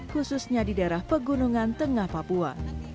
khususnya di daerah pegunungan tengah papua